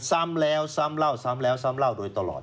ซ้ำแล้วซ้ำเล่าซ้ำแล้วซ้ำเล่าโดยตลอด